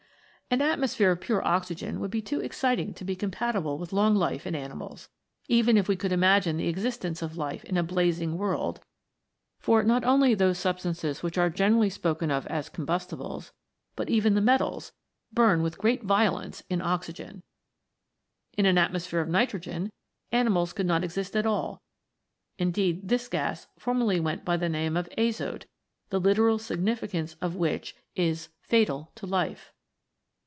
An atmosphere of pure oxygen would be too exciting to be compatible with long life in animals, even if we could imagine the existence of life in a blazing world ; for not only those substances which are generally spoken of as combustibles, but even the metals, burn with great violence in oxygen. In an atmosphere of nitrogen, animals could not exist at all ; indeed this gas formerly went by the name of azote, the literal significance of which is "fatal to life."